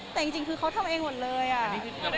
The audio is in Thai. แต่จริงคือเขาทำเองหมดเลยอ่ะ